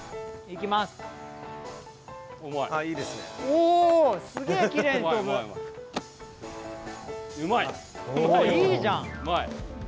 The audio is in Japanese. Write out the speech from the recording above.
いいじゃん！